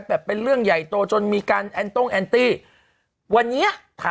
เหตุการณ์นี้มัน๒๐ปีล่ะ